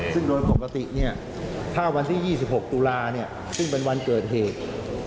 ซึ่งโดยปกติถ้าวันที่๒๖ตุลาซึ่งเป็นวันเกิดเหตุ